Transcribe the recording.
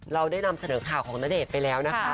เราได้นำเสนอข่าวของณเดชน์ไปแล้วนะคะ